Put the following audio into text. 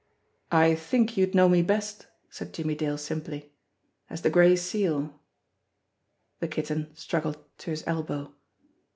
"I think you'd know me best," said Jimmie Dale simply, "as the Gray Seal." The Kitten struggled to his elbow.